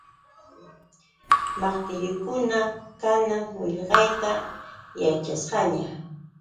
Maqtillukuna kanan qillqayta yaćhasqanña.